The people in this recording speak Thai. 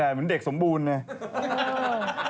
เหมือนเด็กสมบูรณ์ไง